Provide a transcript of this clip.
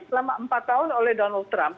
selama empat tahun oleh donald trump